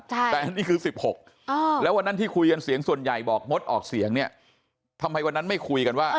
แต่อันนี้คือ๑๖แล้ววันนั้นที่คุยกันเสียงส่วนใหญ่บอกงดออกเสียงเนี่ยทำไมวันนั้นไม่คุยกันว่า